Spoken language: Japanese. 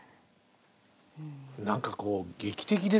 何かこう劇的ですね。